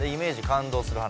「感動する話」。